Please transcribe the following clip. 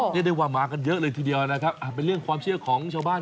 เรียกได้ว่ามากันเยอะเลยทีเดียวนะครับเป็นเรื่องความเชื่อของชาวบ้าน